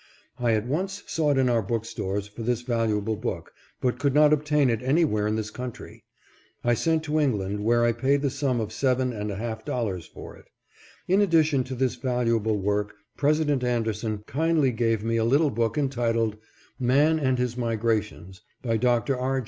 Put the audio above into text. I at once sought in our bookstores for this valuable book, but could not obtain it anywhere in this country. I sent to England, where I paid the sum of seven and a half dollars for it. In addition to this valuable work President Anderson kindly gave me a little book entitled " Man and His Migrations," by Dr. R.